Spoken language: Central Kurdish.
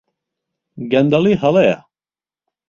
گەندەڵی هەڵەیە.